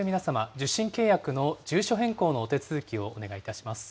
受信契約の住所変更のお手続きをお願いいたします。